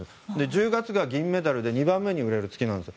１０月が銀メダルで２番目に売れる月なんです。